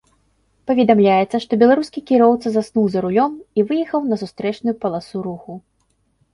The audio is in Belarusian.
Паведамляецца, што беларускі кіроўца заснуў за рулём і выехаў на сустрэчную паласу руху.